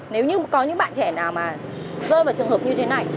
nếu như có những bạn trẻ nào mà rơi vào trường hợp như thế này